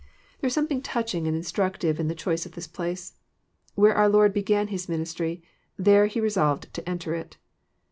There is something tODching and instrnctive in the choice of this place. Where oar Lord began His ministry, there He resolved to enter it.